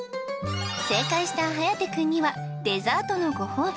正解した颯くんにはデザートのご褒美！